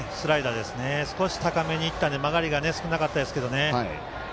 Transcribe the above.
少し高めにいったので曲がりが少なかったですけどね。